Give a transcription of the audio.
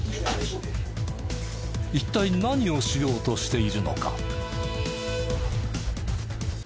一体何をしようとしているのか？